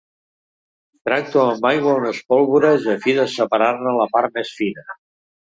Tracto amb aigua unes pólvores a fi de separar-ne la part més fina.